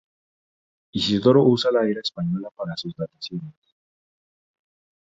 Isidoro usa la era española para sus dataciones.